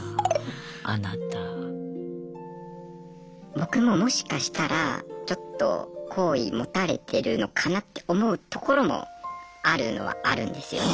僕ももしかしたらちょっと好意持たれてるのかなって思うところもあるのはあるんですよね。